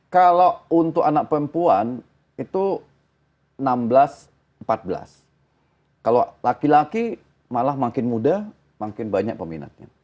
kalau untuk anak perempuan itu enam belas empat belas kalau laki laki malah makin muda makin banyak peminatnya